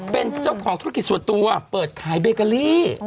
เป็นเจ้าของธุรกิจส่วนตัวเปิดขายเบเกอรี่